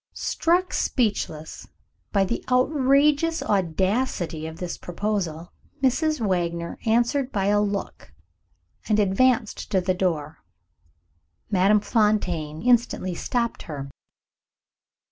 Struck speechless by the outrageous audacity of this proposal, Mrs. Wagner answered by a look, and advanced to the door. Madame Fontaine instantly stopped her.